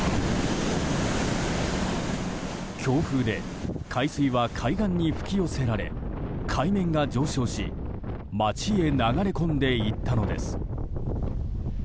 強風で海水は海岸に吹き寄せられ海面が上昇し町へ流れ込んでいったのです。